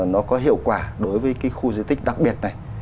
nó có hiệu quả đối với khu duy tích đặc biệt này